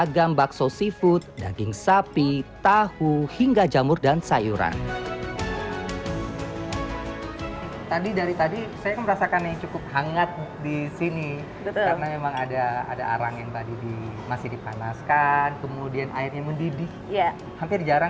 hampir jarang saya menemukan hotpot yang airnya mendidih